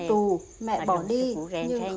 nếu một ngày ông bà tỏa đi xa